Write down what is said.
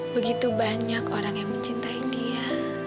begitu banyak orang yang mencintai dia